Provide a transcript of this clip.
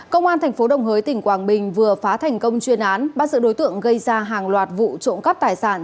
công an tp đồng hới tỉnh quảng bình vừa phá thành công chuyên án bắt giữ đối tượng gây ra hàng loạt vụ trộm cắp tài sản